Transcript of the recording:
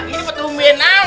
ini betul betul ngam